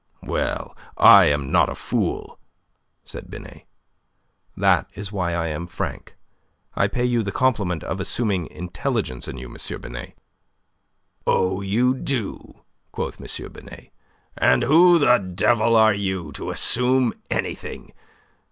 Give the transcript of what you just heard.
"Well, I am not a fool," said Binet. "That is why I am frank. I pay you the compliment of assuming intelligence in you, M. Binet." "Oh, you do?" quoth M. Binet. "And who the devil are you to assume anything?